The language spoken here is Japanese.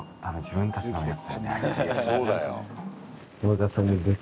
いや、そうだよ。